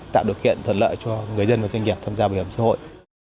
tạo được hiện thuận lợi cho người dân và doanh nghiệp tham gia bảo hiểm xã hội